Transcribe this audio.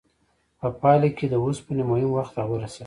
په پایله کې د اوسپنې مهم وخت راورسید.